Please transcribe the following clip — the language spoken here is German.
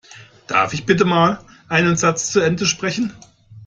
Darf ich bitte mal einen Satz zu Ende sprechen?